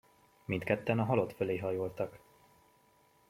Mindketten a halott fölé hajoltak.